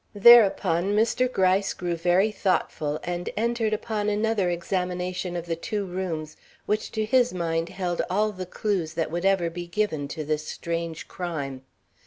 Thereupon Mr. Gryce grew very thoughtful and entered upon another examination of the two rooms which to his mind held all the clews that would ever be given to this strange crime.